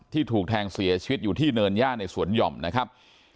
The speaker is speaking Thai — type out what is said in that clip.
ถูกแทงเสียชีวิตอยู่ที่เนินย่าในสวนหย่อมนะครับ